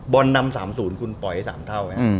บอลนำ๓๐คุณปล่อยให้๓เท่าไม่ใช่มั้ย